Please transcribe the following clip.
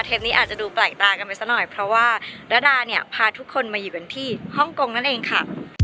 นี้อาจจะดูแปลกตากันไปซะหน่อยเพราะว่าระดาเนี่ยพาทุกคนมาอยู่กันที่ฮ่องกงนั่นเองค่ะ